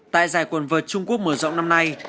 tại giải quần vợt trung quốc mở rộng năm nay